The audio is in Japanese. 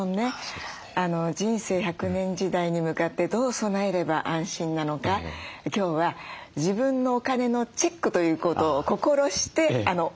人生１００年時代に向かってどう備えれば安心なのか今日は自分のお金のチェックということを心してお勉強したいと思ってます。